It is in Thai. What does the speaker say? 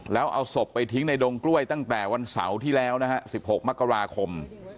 แล้วเอาศพไปทิ้งในดงกล้วยตั้งแต่วันเสาร์ที่แล้วนะฮะ๑๖มกราคม